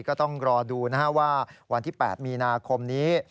ก็ต้องรอดูว่าวันที่๘มีนาคมนี้